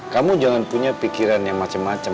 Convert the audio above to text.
kamu jangan punya pikiran yang macem macem